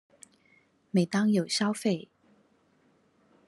每當有消費